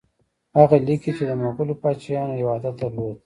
هغه لیکي چې د مغولو پاچایانو یو عادت درلود.